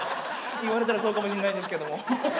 言われたらそうかもしんないですけども。